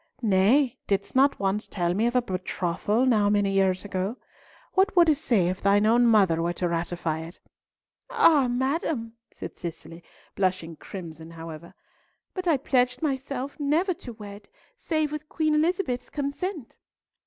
"Nay, didst not once tell me of a betrothal now many years ago? What wouldst say if thine own mother were to ratify it?" "Ah! madam," said Cicely, blushing crimson however, "but I pledged myself never to wed save with Queen Elizabeth's consent."